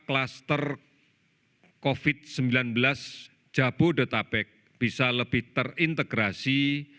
kluster covid sembilan belas jabodetabek bisa lebih terintegrasi